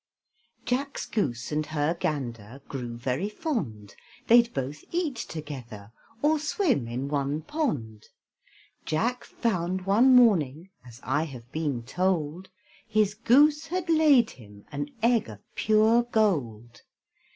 Jack's goose and her gander Grew very fond; They'd both eat together, Or swim in one pond. Jack found one morning, As I have been told, His goose had laid him An egg of pure gold.